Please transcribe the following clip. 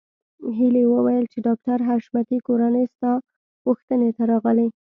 هيلې وویل چې د ډاکټر حشمتي کورنۍ ستا پوښتنې ته راغلې